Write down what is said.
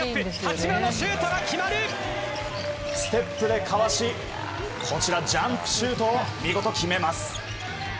ステップでかわしジャンプシュートを見事、決めます。